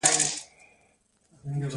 روداتو ولسوالۍ هواره ده؟